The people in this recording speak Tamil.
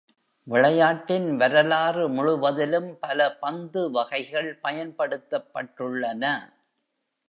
விளையாட்டின் வரலாறு முழுவதிலும் பல பந்து வகைகள் பயன்படுத்தப்பட்டுள்ளன.